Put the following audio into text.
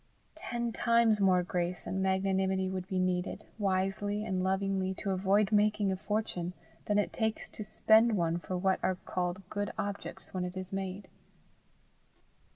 Ten times more grace and magnanimity would be needed, wisely and lovingly to avoid making a fortune, than it takes to spend one for what are called good objects when it is made.